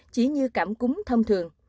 chỉ như cảm cúng thông thường